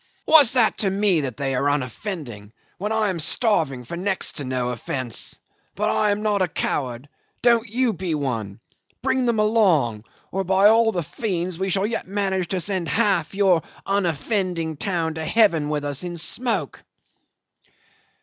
What's that to me that they are unoffending, when I am starving for next to no offence? But I am not a coward. Don't you be one. Bring them along or, by all the fiends, we shall yet manage to send half your unoffending town to heaven with us in smoke!